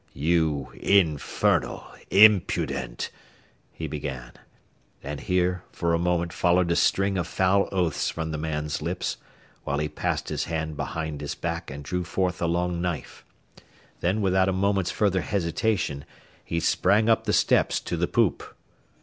"You infernal, impudent " he began; and here for a moment followed a string of foul oaths from the man's lips, while he passed his hand behind his back and drew forth a long knife. Then without a moment's further hesitation he sprang up the steps to the poop.